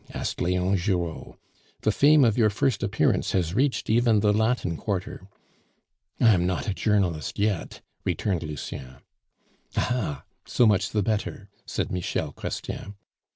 asked Leon Giraud. "The fame of your first appearance has reached even the Latin Quarter." "I am not a journalist yet," returned Lucien. "Aha! So much the better," said Michel Chrestien.